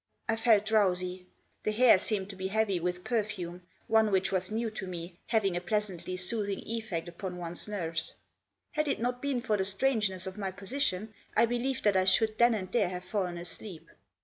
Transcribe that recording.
I felt drowsy ; the hair seemed to be heavy with perfume ; one which was new to me, having a pleasantly soothing effect upon one's nerves. Had it not been for the strangeness of my position I believe that I should then and there have fallen asleep.